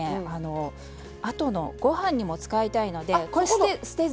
あとのご飯にも使いたいのでこれ捨てずに。